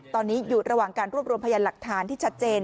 ตอนนี้อยู่ระหว่างการรวบรวมพยานหลักฐานที่ชัดเจน